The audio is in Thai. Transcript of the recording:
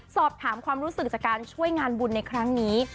สอบถามความรู้สึกจากการช่วยงานบุญในครั้งนี้